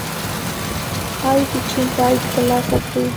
ښايي د چین تائید ترلاسه کړو